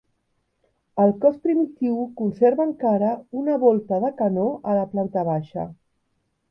El cos primitiu conserva encara una volta de canó a la planta baixa.